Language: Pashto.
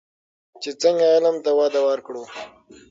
چې څنګه علم ته وده ورکړو.